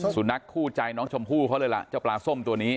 สุนัขคู่ใจน้องชมพู่เขาเลยล่ะเจ้าปลาส้มตัวนี้